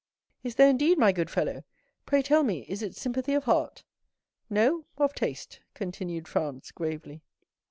"Is there, indeed, my good fellow? Pray tell me, is it sympathy of heart?" "No; of taste," continued Franz gravely.